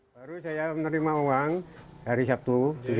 baru saya menerima uang hari sabtu tujuh tiga puluh